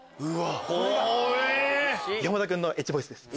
これが山田君のエッジボイスです。